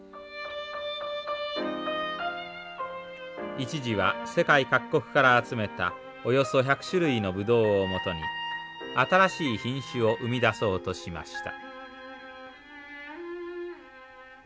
一時は世界各国から集めたおよそ１００種類のブドウをもとに新しい品種を生み出そうとしました。